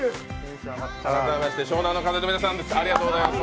改めまして湘南乃風の皆さんです。